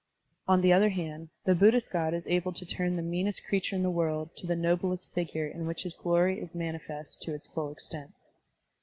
On the other hand, the Buddhist God is able to ttim the meanest creature in the world to the noblest figure in which his glory is manifest to its full extent.